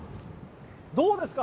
どうですか？